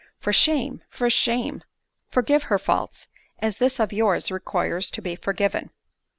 For shame! for shame! forgive her faults, as this of yours requires to be forgiven."